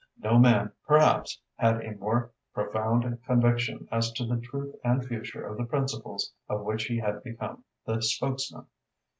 No man, perhaps, had a more profound conviction as to the truth and future of the principles of which he had become the spokesman.